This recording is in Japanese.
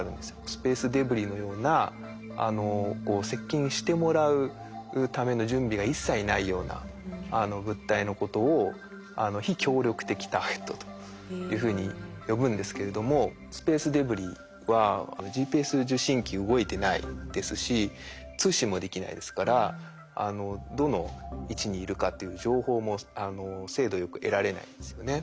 スペースデブリのような接近してもらうための準備が一切ないような物体のことを非協力的ターゲットというふうに呼ぶんですけれどもスペースデブリはＧＰＳ受信機動いてないですし通信もできないですからどの位置にいるかっていう情報も精度よく得られないですよね。